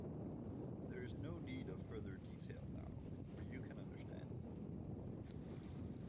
There is no need of further detail, now -- for you can understand.